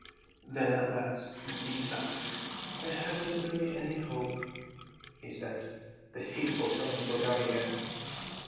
Then at last he stopped. "I hadn't really any hope," he said. The hateful telling broke out again.